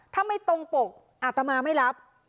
ถ้าไม่ตรงปกอาตมาไม่รับ